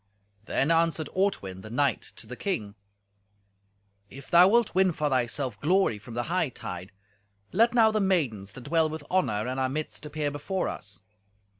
Then answered Ortwin, the knight, to the king, "If thou wilt win for thyself glory from the hightide, let now the maidens that dwell with honour in our midst appear before us.